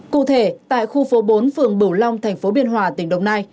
cụ thể tại khu phố bốn phường bửu long thành phố biên hòa tỉnh đồng nai